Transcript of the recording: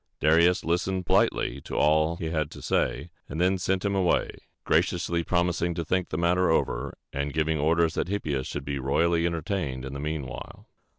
Darius listened politely to all he had to say, and then sent him away, graciously promising to think the matter over, and giving orders that Hippias should be royally entertained in the mean while.